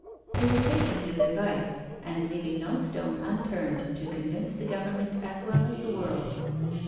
They were taking his advice, and leav ing no stone unturned to convince the Government as well as the world.